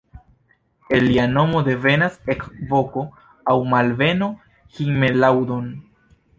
El lia nomo devenas ekvoko aŭ malbeno "himmellaudon!